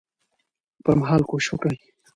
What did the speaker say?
پر مهال کوشش وکړي